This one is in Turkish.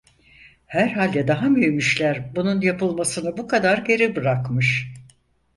Herhalde daha mühim işler bunun yapılmasını bu kadar geri bırakmış.